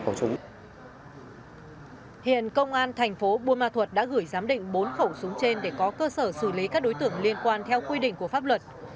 qua vụ việc trên công an tp buôn ma thuật đã gửi giám định bốn khẩu súng trên để có cơ sở xử lý các đối tượng liên quan theo quy định của pháp luật